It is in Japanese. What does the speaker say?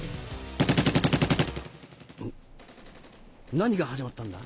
何が始まったんだ？